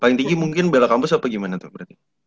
paling tinggi mungkin bela kampus atau gimana tuh berarti